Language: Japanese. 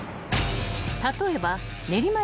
［例えば］